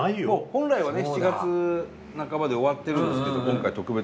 本来はね７月半ばで終わってるんですけど今回特別に開けて頂きましたので。